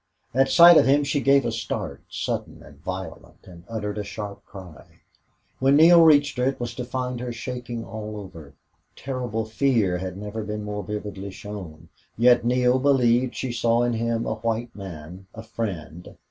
At sight of him she gave a start, sudden and violent, and uttered a sharp cry. When Neale reached her it was to find her shaking all over. Terrible fear had never been more vividly shown, yet Neale believed she saw in him a white man, a friend.